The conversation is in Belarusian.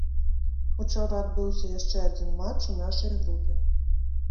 Учора адбыўся яшчэ адзін матч у нашай групе.